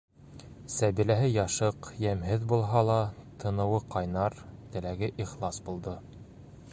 Сәбиләһе яшыҡ, йәмһеҙ булһа ла тыныуы ҡайнар, теләге ихлас булды.